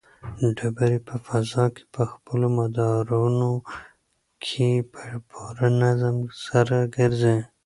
ډبرې په فضا کې په خپلو مدارونو کې په پوره نظم سره ګرځي.